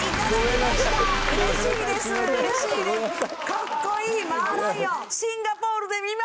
かっこいいマーライオン。